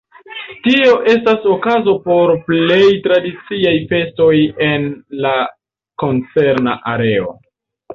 Tio estas okazo por plej tradiciaj festoj en la koncerna areo.